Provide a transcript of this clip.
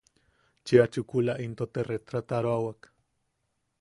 Cheʼa chukula into te retrataroawak.